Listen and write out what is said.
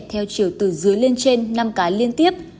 theo chiều từ dưới lên trên năm cái liên tiếp